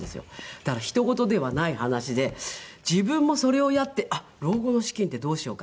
だからひとごとではない話で自分もそれをやってあっ老後の資金ってどうしようか。